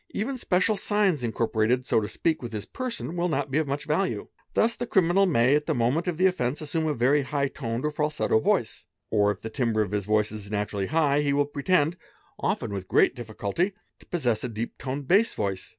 Even special signs incorporated, so to speak, with his person will not be of much value. Thus the criminal 1 nay, at the moment of the offence, assume a very high toned or falsetto yoice; or if the timbre of his voice is naturally high he will pretend, often with great difficulty, to possess a deep toned bass voice.